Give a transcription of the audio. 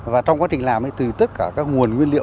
và trong quá trình làm thì từ tất cả các nguồn nguyên liệu